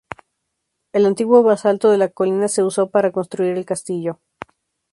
El antiguo basalto de la colina se usó para construir el castillo.